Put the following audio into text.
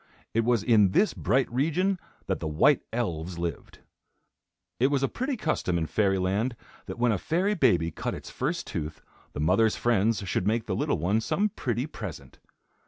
It was in this bright region that the white elves lived. It was a pretty custom in fairy land that when a fairy baby cut its first tooth, the mother's friends should make the little one some pretty present.